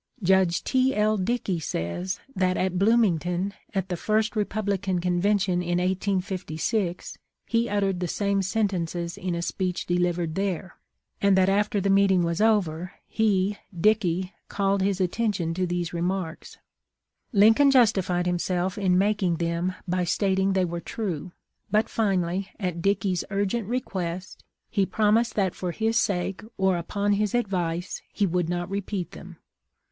Judge T. L. Dickey says, that at Bloomington, at the first Republican Convention in 1856, he uttered the same sentences in a speech delivered there, and that after the meeting was over, he (Dickey) called his atten tion to these remarks. " Lincoln justified himself in making them by stat ing they were true ; but finally, at Dickey's urgent request, he promised that for his sake, or upon his advice, he would not repeat them.